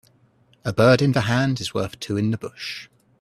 A bird in the hand is worth two in the bush